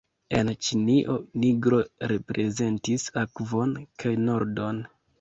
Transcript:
En Ĉinio nigro reprezentis akvon kaj nordon.